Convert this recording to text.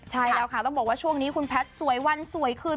ใช่แล้วค่ะต้องบอกว่าช่วงนี้คุณแพทย์สวยวันสวยคืน